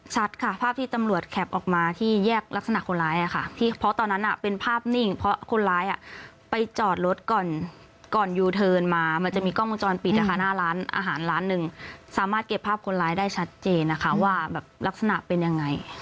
ชัดค่ะภาพที่ตำรวจแคปออกมาที่แยกลักษณะคนร้ายอะค่ะที่เพราะตอนนั้นเป็นภาพนิ่งเพราะคนร้ายไปจอดรถก่อนก่อนยูเทิร์นมามันจะมีกล้องวงจรปิดนะคะหน้าร้านอาหารร้านหนึ่งสามารถเก็บภาพคนร้ายได้ชัดเจนนะคะว่าแบบลักษณะเป็นยังไง